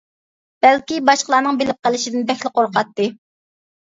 بەلكى باشقىلارنىڭ بىلىپ قېلىشىدىن بەكلا قورقاتتى.